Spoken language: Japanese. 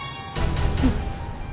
うん。